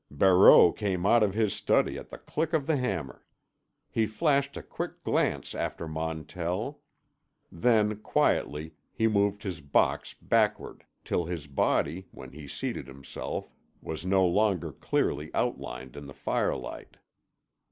Barreau came out of his study at the click of the hammer. He flashed a quick glance after Montell. Then quietly he moved his box backward till his body, when he seated himself, was no longer clearly outlined in the firelight.